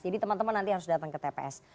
jadi teman teman nanti harus datang ke tps